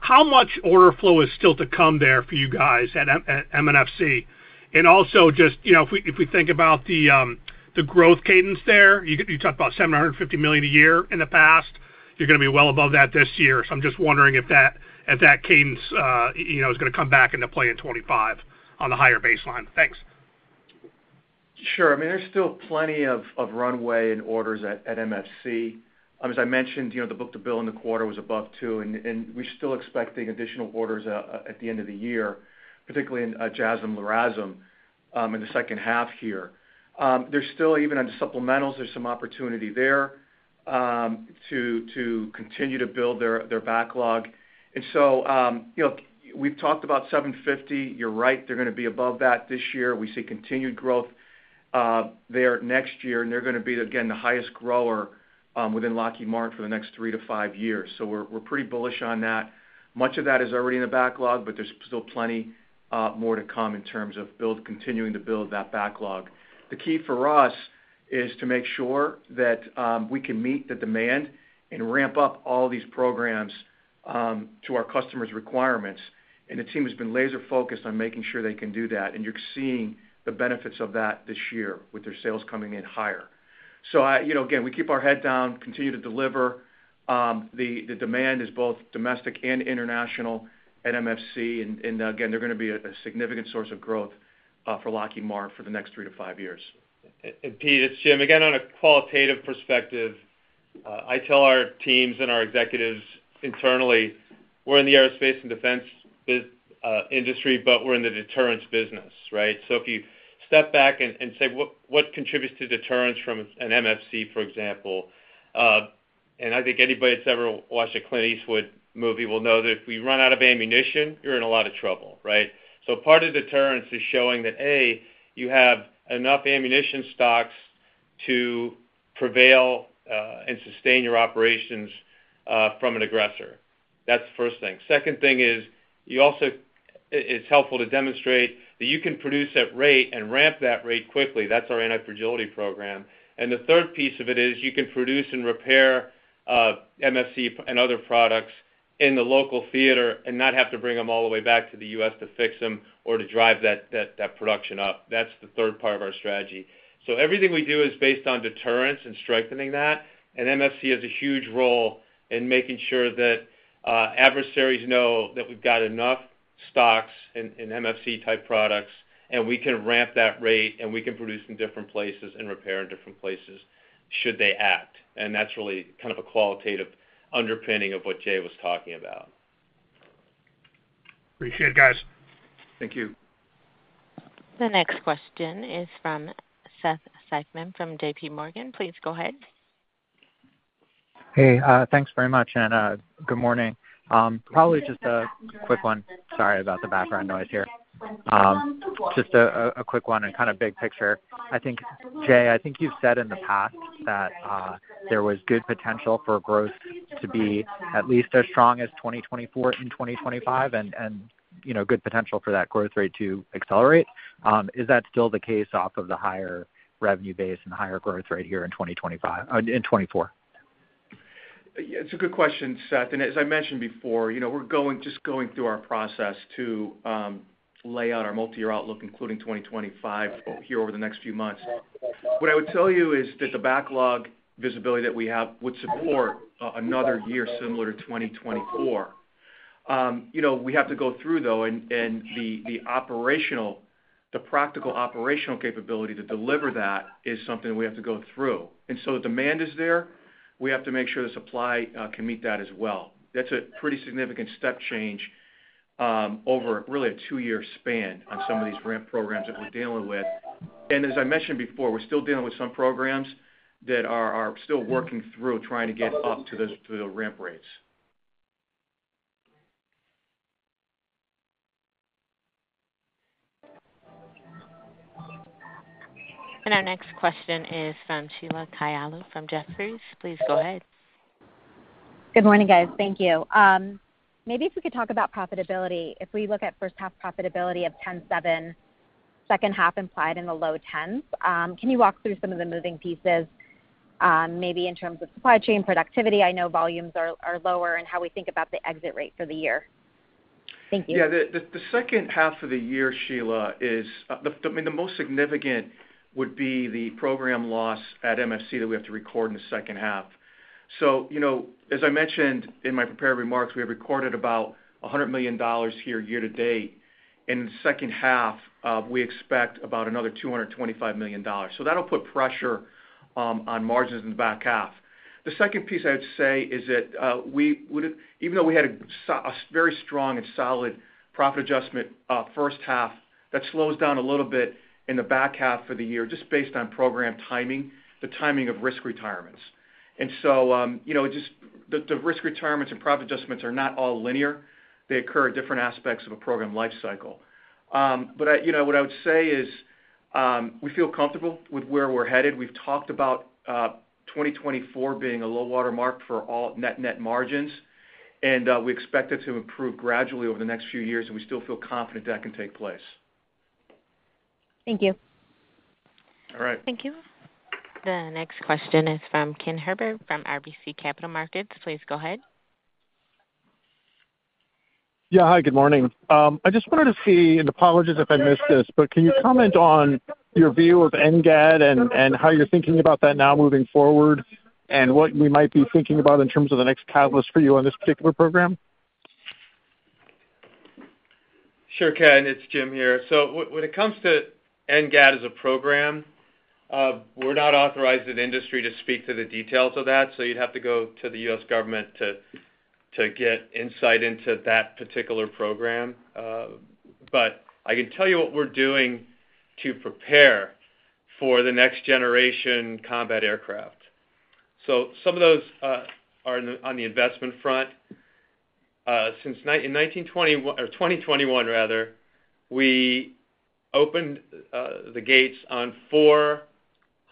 how much order flow is still to come there for you guys at MFC? And also just if we think about the growth cadence there, you talked about $750 million a year in the past. You're going to be well above that this year. So I'm just wondering if that cadence is going to come back into play in 2025 on the higher baseline. Thanks. Sure. I mean, there's still plenty of runway and orders at MFC. As I mentioned, the book-to-bill in the quarter was above 2, and we're still expecting additional orders at the end of the year, particularly in JASSM-LRASM in the second half here. There's still even on the supplementals, there's some opportunity there to continue to build their backlog. We've talked about $750. You're right. They're going to be above that this year. We see continued growth there next year, and they're going to be, again, the highest grower within Lockheed Martin for the next three to five years. We're pretty bullish on that. Much of that is already in the backlog, but there's still plenty more to come in terms of continuing to build that backlog. The key for us is to make sure that we can meet the demand and ramp up all these programs to our customers' requirements. The team has been laser-focused on making sure they can do that. You're seeing the benefits of that this year with their sales coming in higher. Again, we keep our head down, continue to deliver. The demand is both domestic and international at MFC. Again, they're going to be a significant source of growth for Lockheed Martin for the next three to five years. Pete, it's Jim. Again, on a qualitative perspective, I tell our teams and our executives internally, we're in the aerospace and defense industry, but we're in the deterrence business, right? So if you step back and say, "What contributes to deterrence from an MFC, for example?" I think anybody that's ever watched a Clint Eastwood movie will know that if we run out of ammunition, you're in a lot of trouble, right? So part of deterrence is showing that, A, you have enough ammunition stocks to prevail and sustain your operations from an aggressor. That's the first thing. Second thing is it's helpful to demonstrate that you can produce at rate and ramp that rate quickly. That's our anti-fragility program. And the third piece of it is you can produce and repair MFC and other products in the local theater and not have to bring them all the way back to the U.S. to fix them or to drive that production up. That's the third part of our strategy. So everything we do is based on deterrence and strengthening that. And MFC has a huge role in making sure that adversaries know that we've got enough stocks in MFC-type products, and we can ramp that rate, and we can produce in different places and repair in different places should they act. And that's really kind of a qualitative underpinning of what Jay was talking about. Appreciate it, guys. Thank you. The next question is from Seth Seifman from JPMorgan. Please go ahead. Hey, thanks very much, and good morning. Probably just a quick one. Sorry about the background noise here. Just a quick one and kind of big picture. Jay, I think you've said in the past that there was good potential for growth to be at least as strong as 2024 and 2025 and good potential for that growth rate to accelerate. Is that still the case off of the higher revenue base and higher growth rate here in 2024? It's a good question, Seth. And as I mentioned before, we're just going through our process to lay out our multi-year outlook, including 2025, here over the next few months. What I would tell you is that the backlog visibility that we have would support another year similar to 2024. We have to go through, though, and the practical operational capability to deliver that is something we have to go through. And so the demand is there. We have to make sure the supply can meet that as well. That's a pretty significant step change over really a two-year span on some of these ramp programs that we're dealing with. As I mentioned before, we're still dealing with some programs that are still working through trying to get up to the ramp rates. Our next question is from Sheila Kahyaoglu from Jefferies. Please go ahead. Good morning, guys. Thank you. Maybe if we could talk about profitability. If we look at first-half profitability of 10.7%, second half implied in the low 10s, can you walk through some of the moving pieces, maybe in terms of supply chain productivity? I know volumes are lower and how we think about the exit rate for the year. Thank you. Yeah. The second half of the year, Sheila, is I mean, the most significant would be the program loss at MFC that we have to record in the second half. As I mentioned in my prepared remarks, we have recorded about $100 million here year to date. In the second half, we expect about another $225 million. That'll put pressure on margins in the back half. The second piece I would say is that even though we had a very strong and solid profit adjustment first half, that slows down a little bit in the back half for the year just based on program timing, the timing of risk retirements. The risk retirements and profit adjustments are not all linear. They occur at different aspects of a program lifecycle. But what I would say is we feel comfortable with where we're headed. We've talked about 2024 being a low-water mark for all net margins, and we expect it to improve gradually over the next few years, and we still feel confident that can take place. Thank you. All right. Thank you. The next question is from Ken Herbert from RBC Capital Markets. Please go ahead. Yeah. Hi, good morning. I just wanted to see, and apologies if I missed this, but can you comment on your view of NGAD and how you're thinking about that now moving forward and what we might be thinking about in terms of the next catalyst for you on this particular program? Sure can. It's Jim here. So when it comes to NGAD as a program, we're not authorized in the industry to speak to the details of that. So you'd have to go to the U.S. government to get insight into that particular program. But I can tell you what we're doing to prepare for the next generation combat aircraft. So some of those are on the investment front. In 2021, rather, we opened the gates on four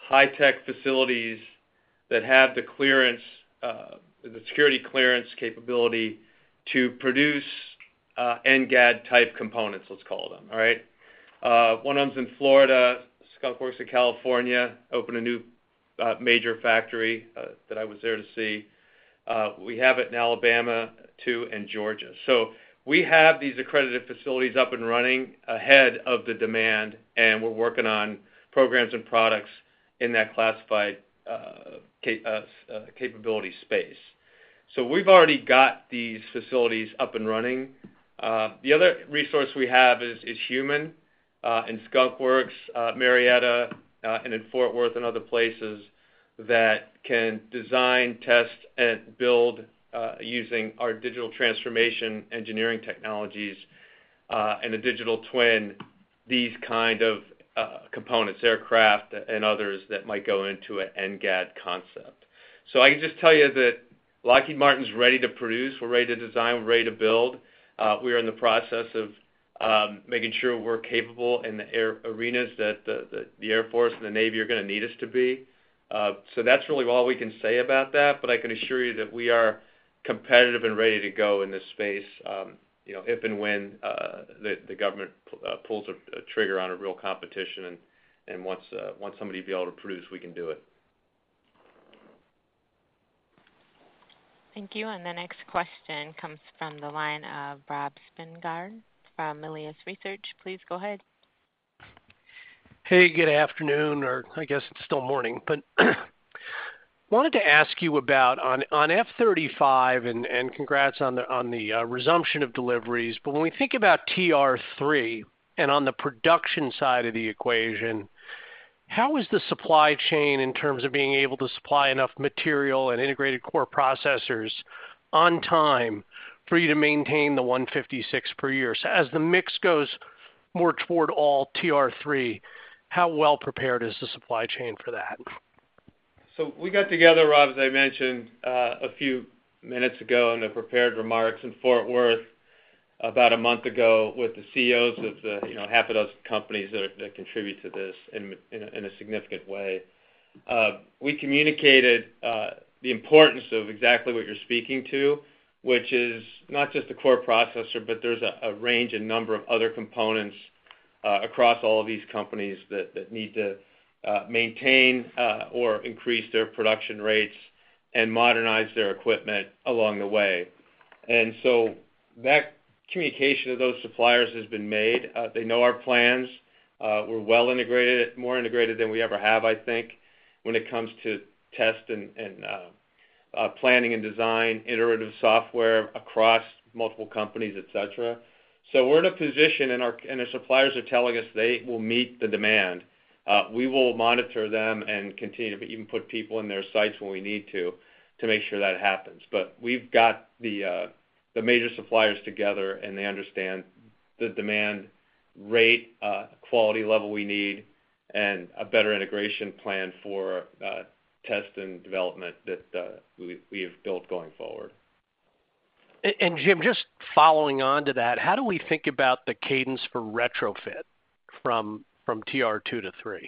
high-tech facilities that have the security clearance capability to produce NGAD-type components, let's call them, all right? One of them's in Florida, Skunk Works in California, opened a new major factory that I was there to see. We have it in Alabama, too, and Georgia. So we have these accredited facilities up and running ahead of the demand, and we're working on programs and products in that classified capability space. So we've already got these facilities up and running. The other resource we have is human in Skunk Works, Marietta, and in Fort Worth and other places that can design, test, and build using our digital transformation engineering technologies and a digital twin, these kind of components, aircraft and others that might go into an NGAD concept. So I can just tell you that Lockheed Martin's ready to produce. We're ready to design. We're ready to build. We are in the process of making sure we're capable in the arenas that the Air Force and the Navy are going to need us to be. So that's really all we can say about that. But I can assure you that we are competitive and ready to go in this space if and when the government pulls a trigger on a real competition and wants somebody to be able to produce, we can do it. Thank you. And the next question comes from the line of Rob Spingarn from Melius Research. Please go ahead. Hey, good afternoon, or I guess it's still morning. But wanted to ask you about on F-35, and congrats on the resumption of deliveries, but when we think about TR-3 and on the production side of the equation, how is the supply chain in terms of being able to supply enough material and integrated core processors on time for you to maintain the 156 per year? So as the mix goes more toward all TR-3, how well prepared is the supply chain for that? So we got together, Rob, as I mentioned a few minutes ago in the prepared remarks in Fort Worth about a month ago with the CEOs of half of those companies that contribute to this in a significant way. We communicated the importance of exactly what you're speaking to, which is not just the core processor, but there's a range and number of other components across all of these companies that need to maintain or increase their production rates and modernize their equipment along the way. So that communication to those suppliers has been made. They know our plans. We're well integrated, more integrated than we ever have, I think, when it comes to test and planning and design, iterative software across multiple companies, etc. So we're in a position, and our suppliers are telling us they will meet the demand. We will monitor them and continue to even put people in their sites when we need to to make sure that happens. But we've got the major suppliers together, and they understand the demand rate, quality level we need, and a better integration plan for test and development that we have built going forward. Jim, just following on to that, how do we think about the cadence for retrofit from TR-2 to TR-3?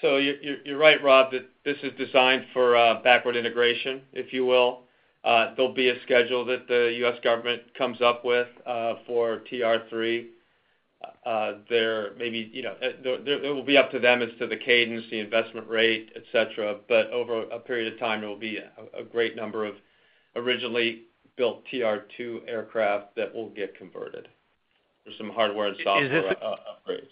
So you're right, Rob, that this is designed for backward integration, if you will. There'll be a schedule that the U.S. government comes up with for TR-3. Maybe it will be up to them as to the cadence, the investment rate, etc. But over a period of time, there will be a great number of originally built TR-2 aircraft that will get converted for some hardware and software upgrades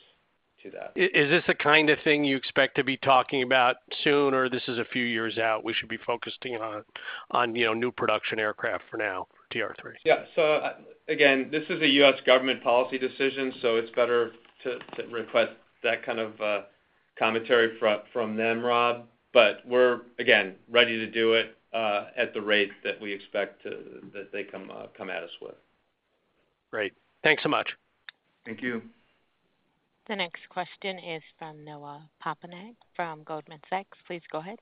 to that. Is this the kind of thing you expect to be talking about soon, or this is a few years out we should be focusing on new production aircraft for now for TR-3? Yeah. So again, this is a U.S. government policy decision, so it's better to request that kind of commentary from them, Rob. But we're, again, ready to do it at the rate that we expect that they come at us with. Great. Thanks so much. Thank you. The next question is from Noah Poponak from Goldman Sachs. Please go ahead.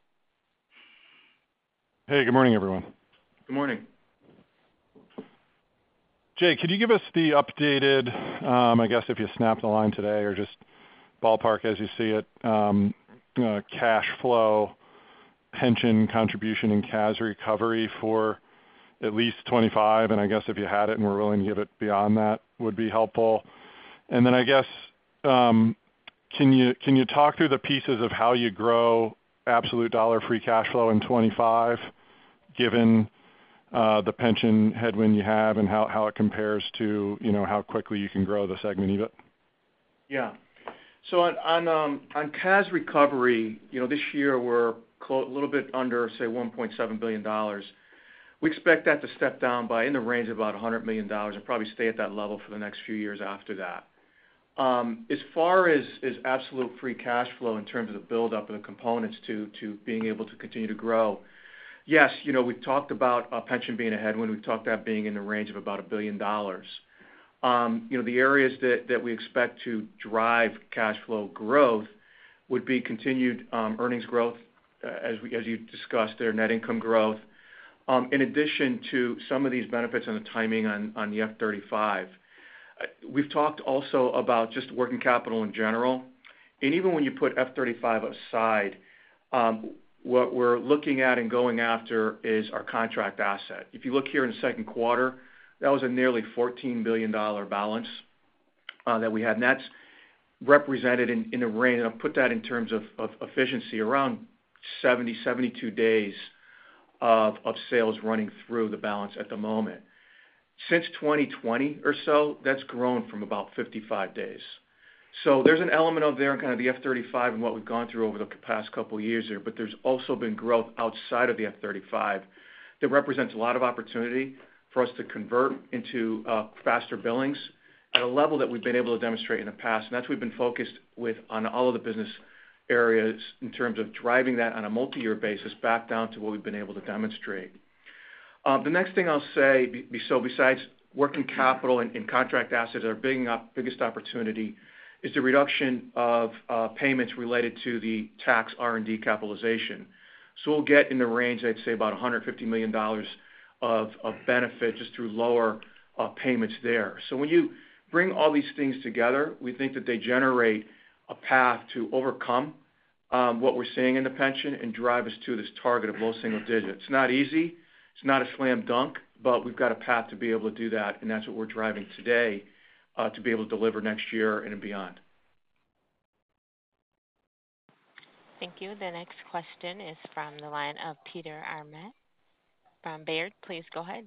Hey, good morning, everyone. Good morning. Jay, could you give us the updated, I guess, if you snapped the line today or just ballpark as you see it, cash flow, pension contribution, and cash recovery for at least 2025? And I guess if you had it and were willing to give it beyond that would be helpful. Then I guess can you talk through the pieces of how you grow absolute dollar free cash flow in 2025 given the pension headwind you have and how it compares to how quickly you can grow the segment even? Yeah. So on cash recovery, this year we're a little bit under, say, $1.7 billion. We expect that to step down by in the range of about $100 million and probably stay at that level for the next few years after that. As far as absolute free cash flow in terms of the buildup of the components to being able to continue to grow, yes, we've talked about pension being a headwind. We've talked about that being in the range of about $1 billion. The areas that we expect to drive cash flow growth would be continued earnings growth, as you discussed there, net income growth, in addition to some of these benefits on the timing on the F-35. We've talked also about just working capital in general. And even when you put F-35 aside, what we're looking at and going after is our contract asset. If you look here in the second quarter, that was a nearly $14 billion balance that we had. And that's represented in a range, and I'll put that in terms of efficiency, around 70-72 days of sales running through the balance at the moment. Since 2020 or so, that's grown from about 55 days. So there's an element of there in kind of the F-35 and what we've gone through over the past couple of years there, but there's also been growth outside of the F-35 that represents a lot of opportunity for us to convert into faster billings at a level that we've been able to demonstrate in the past. That's what we've been focused with on all of the business areas in terms of driving that on a multi-year basis back down to what we've been able to demonstrate. The next thing I'll say, so besides working capital and contract assets are bringing up biggest opportunity, is the reduction of payments related to the tax R&D capitalization. We'll get in the range, I'd say, about $150 million of benefit just through lower payments there. So when you bring all these things together, we think that they generate a path to overcome what we're seeing in the pension and drive us to this target of low single digits. It's not easy. It's not a slam dunk, but we've got a path to be able to do that, and that's what we're driving today to be able to deliver next year and beyond. Thank you. The next question is from the line of Peter Arment from Baird. Please go ahead.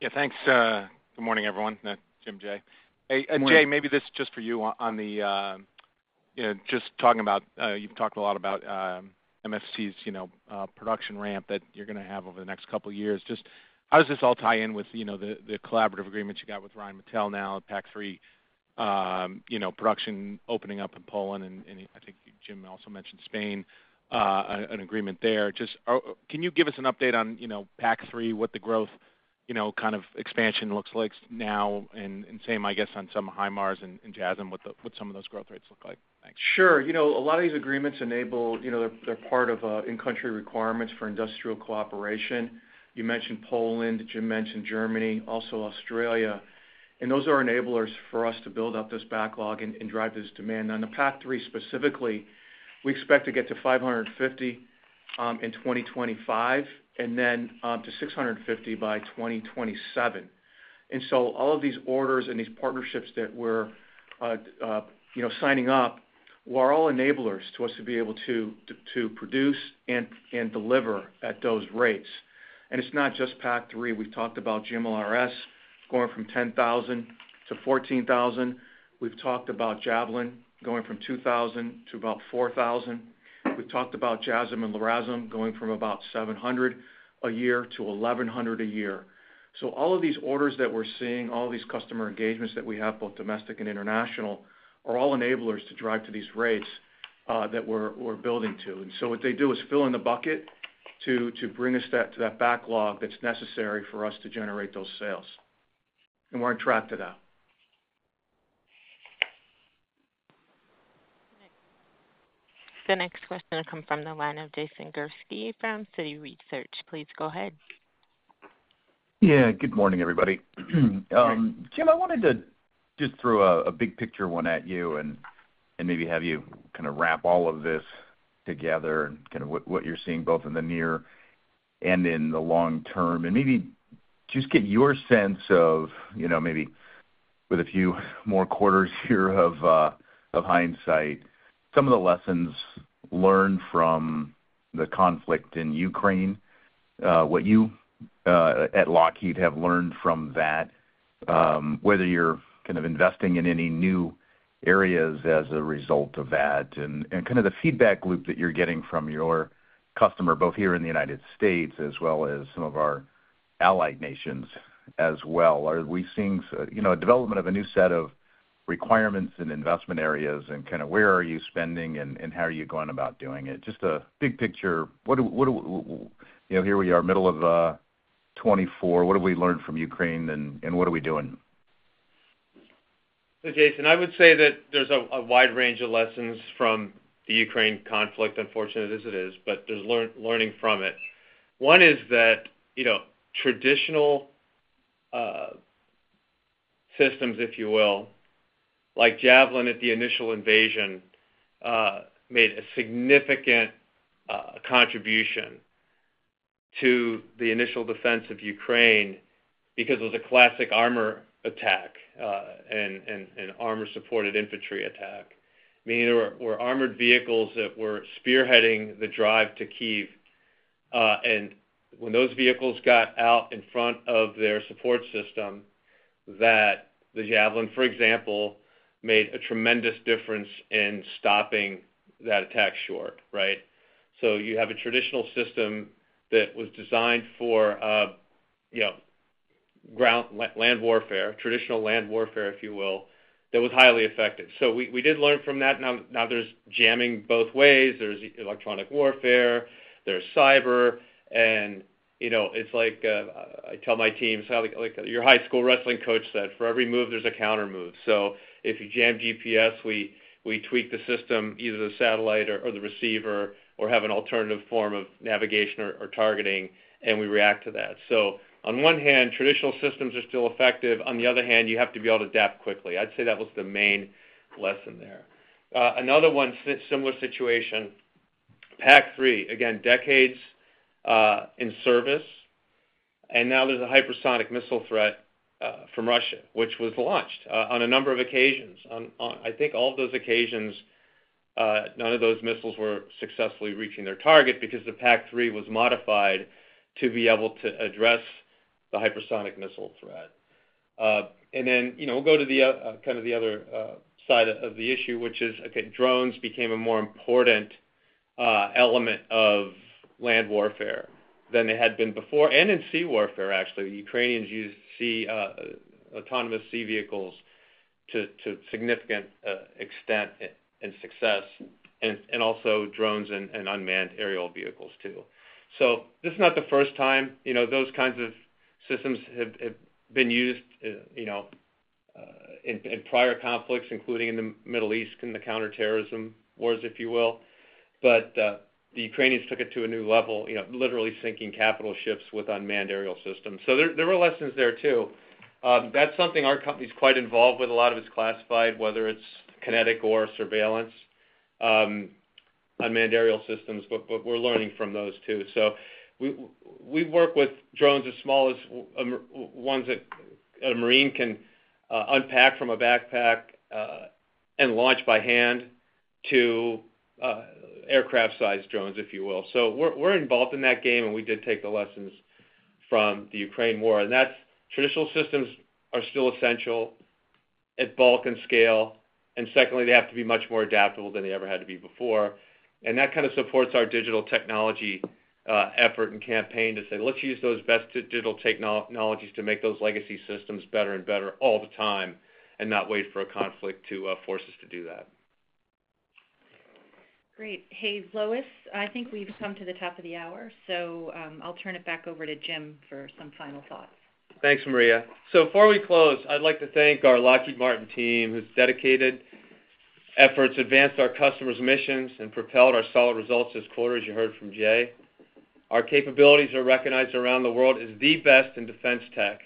Yeah. Thanks. Good morning, everyone. Thanks, Jim Jay. And Jay, maybe this is just for you on the just talking about you've talked a lot about MFC's production ramp that you're going to have over the next couple of years. Just how does this all tie in with the collaborative agreement you got with Rheinmetall now, PAC-3 production opening up in Poland, and I think Jim also mentioned Spain, an agreement there? Just can you give us an update on PAC-3, what the growth kind of expansion looks like now, and same, I guess, on some HIMARS and JASSM, what some of those growth rates look like? Thanks. Sure. A lot of these agreements enable. They're part of in-country requirements for industrial cooperation. You mentioned Poland. Jim mentioned Germany, also Australia. And those are enablers for us to build up this backlog and drive this demand. On the PAC-3 specifically, we expect to get to 550 in 2025 and then to 650 by 2027. And so all of these orders and these partnerships that we're signing up are all enablers to us to be able to produce and deliver at those rates. And it's not just PAC-3. We've talked about GMLRS going from 10,000-14,000. We've talked about Javelin going from 2,000 to about 4,000. We've talked about JASSM and LRASM going from about 700 a year to 1,100 a year. So all of these orders that we're seeing, all of these customer engagements that we have, both domestic and international, are all enablers to drive to these rates that we're building to. And so what they do is fill in the bucket to bring us to that backlog that's necessary for us to generate those sales. And we're on track to that. The next question will come from the line of Jason Gursky from Citi Research. Please go ahead. Yeah. Good morning, everybody. Jim, I wanted to just throw a big picture one at you and maybe have you kind of wrap all of this together and kind of what you're seeing both in the near and in the long term. Maybe just get your sense of maybe with a few more quarters here of hindsight, some of the lessons learned from the conflict in Ukraine, what you at Lockheed have learned from that, whether you're kind of investing in any new areas as a result of that, and kind of the feedback loop that you're getting from your customer, both here in the United States as well as some of our allied nations as well. Are we seeing a development of a new set of requirements and investment areas and kind of where are you spending and how are you going about doing it? Just a big picture. Here we are, middle of 2024. What have we learned from Ukraine, and what are we doing? So, Jason, I would say that there's a wide range of lessons from the Ukraine conflict, unfortunate as it is, but there's learning from it. One is that traditional systems, if you will, like Javelin at the initial invasion, made a significant contribution to the initial defense of Ukraine because it was a classic armor attack and armor-supported infantry attack, meaning there were armored vehicles that were spearheading the drive to Kyiv. And when those vehicles got out in front of their support system, the Javelin, for example, made a tremendous difference in stopping that attack short, right? So you have a traditional system that was designed for land warfare, traditional land warfare, if you will, that was highly effective. So we did learn from that. Now there's jamming both ways. There's electronic warfare. There's cyber. And it's like I tell my team, it's like your high school wrestling coach said, "For every move, there's a countermove." So if you jam GPS, we tweak the system, either the satellite or the receiver, or have an alternative form of navigation or targeting, and we react to that. So on one hand, traditional systems are still effective. On the other hand, you have to be able to adapt quickly. I'd say that was the main lesson there. Another one, similar situation, PAC-3, again, decades in service. And now there's a hypersonic missile threat from Russia, which was launched on a number of occasions. I think all of those occasions, none of those missiles were successfully reaching their target because the PAC-3 was modified to be able to address the hypersonic missile threat. And then we'll go to kind of the other side of the issue, which is, okay, drones became a more important element of land warfare than they had been before. And in sea warfare, actually, the Ukrainians used sea autonomous sea vehicles to a significant extent and success, and also drones and unmanned aerial vehicles too. So this is not the first time. Those kinds of systems have been used in prior conflicts, including in the Middle East and the counterterrorism wars, if you will. But the Ukrainians took it to a new level, literally sinking capital ships with unmanned aerial systems. So there were lessons there too. That's something our company is quite involved with. A lot of it's classified, whether it's kinetic or surveillance, unmanned aerial systems, but we're learning from those too. So we work with drones as small as ones that a Marine can unpack from a backpack and launch by hand to aircraft-sized drones, if you will. So we're involved in that game, and we did take the lessons from the Ukraine War. And that's traditional systems are still essential at bulk and scale. And secondly, they have to be much more adaptable than they ever had to be before. And that kind of supports our digital technology effort and campaign to say, "Let's use those best digital technologies to make those legacy systems better and better all the time and not wait for a conflict to force us to do that." Great. Hey, Lois, I think we've come to the top of the hour, so I'll turn it back over to Jim for some final thoughts. Thanks, Maria. Before we close, I'd like to thank our Lockheed Martin team whose dedicated efforts advanced our customers' missions and propelled our solid results this quarter, as you heard from Jay. Our capabilities are recognized around the world as the best in defense tech,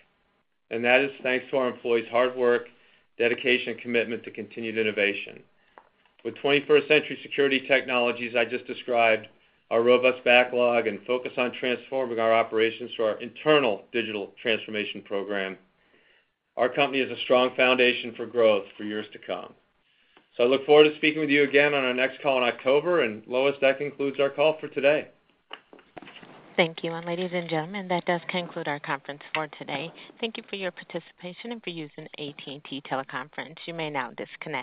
and that is thanks to our employees' hard work, dedication, and commitment to continued innovation. With 21st Century Security technologies I just described, our robust backlog, and focus on transforming our operations through our internal digital transformation program, our company has a strong foundation for growth for years to come. I look forward to speaking with you again on our next call in October. And Lois, that concludes our call for today. Thank you. And ladies and gentlemen, that does conclude our conference for today. Thank you for your participation and for using AT&T Teleconference. You may now disconnect.